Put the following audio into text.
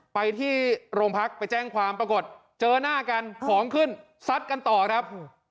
ไปที่โรงพักไปแจ้งความปรากฏเจอหน้ากันของขึ้นซัดกันต่อครับ